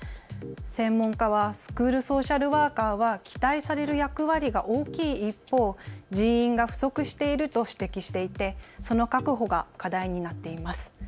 専門家はスクールソーシャルワーカーは期待される役割が大きい一方、人員が不足していると指摘していてその確保が課題になっています。